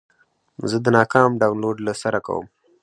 زه د ناکام ډاونلوډ له سره کوم.